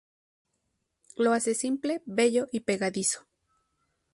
Lo hace simple, bello y pegadizo.